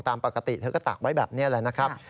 ตามปกติเธอก็ตากไว้แบบนี้แหละนะครับ